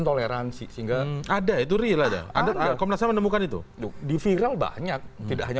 toleransi sehingga ada itu rilada ada komnas menemukan itu di viral banyak tidak hanya